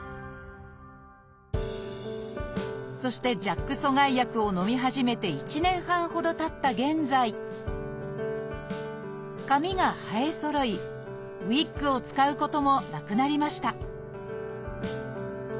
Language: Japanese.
そしてＪＡＫ阻害薬をのみ始めて１年半ほどたった現在髪が生えそろいウイッグを使うこともなくなりました